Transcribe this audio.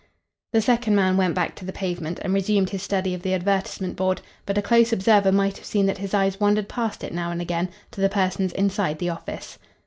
The second man went back to the pavement and resumed his study of the advertisement board, but a close observer might have seen that his eyes wandered past it now and again to the persons inside the office.